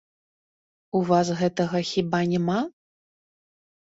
У вас гэтага, хіба, няма?